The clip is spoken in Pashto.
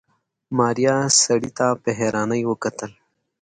ماريا سړي ته په حيرانۍ کتل.